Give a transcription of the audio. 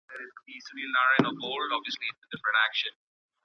که د مرغانو لپاره ځالې خوندي سي، نو نسل یې نه کمیږي.